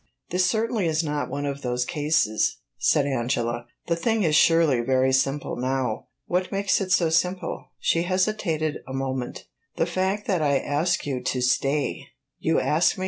"This certainly is not one of those cases," said Angela. "The thing is surely very simple now." "What makes it so simple?" She hesitated a moment. "The fact that I ask you to stay." "You ask me?"